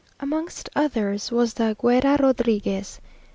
Amongst others was the Güera Rodriguez.